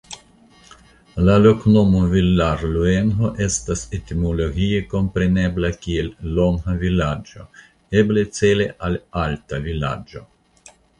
La loknomo "Villarluengo" estas etimologie komprenebla kiel "Longa Vilaĝo" eble cele al "Alta Vilaĝo".